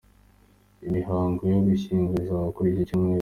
Imihango yo gushyingura izaba kuri iki Cyumweru.